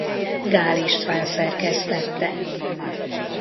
Gál István szerkesztette.